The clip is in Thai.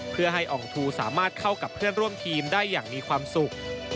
เพื่อให้อ่องทูสามารถเข้ากับเพื่อนร่วมทีมได้อย่างมีความสุข